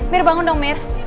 mir bangun dong mir